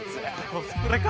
コスプレか？